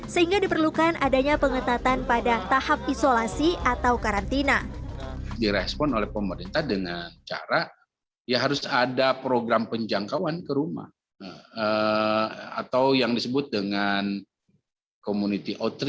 sehingga diperlukan adanya pengetahuan untuk mencari penyakit covid sembilan belas